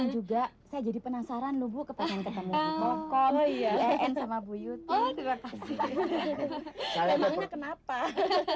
juga saya jadi penasaran lubuk ketemu ketemu kok oh iya sama bu yudhiyah terkenal pak